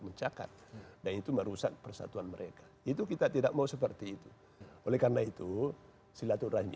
mencatat dan itu merusak persatuan mereka itu kita tidak mau seperti itu oleh karena itu silaturahmi